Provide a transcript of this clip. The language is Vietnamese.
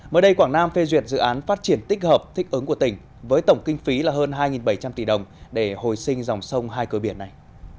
mới đây quảng nam phê duyệt dự án phát triển tích hợp thích ứng của tỉnh với tổng kinh phí là hơn hai bảy trăm linh tỷ đồng để hồi sinh dòng sông hai cơ biển này